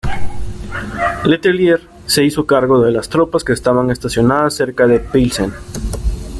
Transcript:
Le Tellier se hizo cargo de las tropas que estaban estacionadas cerca de Pilsen.